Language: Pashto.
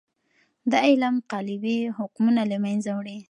دا علم قالبي حکمونه له منځه وړي.